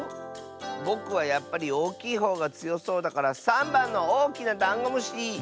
ぼくはやっぱりおおきいほうがつよそうだから３ばんのおおきなダンゴムシ！